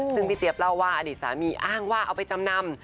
ซึ่งพี่เจี๊ยบเล่าว่าอดีตสามีอ้างว่าเอาไปจำนำ